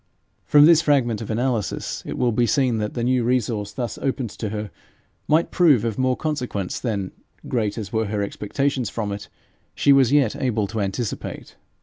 From this fragment of analysis it will be seen that the new resource thus opened to her might prove of more consequence than, great as were her expectations from it, she was yet able to anticipate.